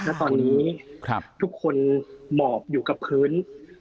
ณตอนนี้ทุกคนหมอบอยู่กับพื้น